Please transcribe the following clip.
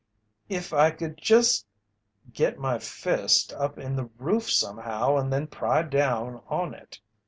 "If I could just get my fist up in the roof somehow and then pry down on it."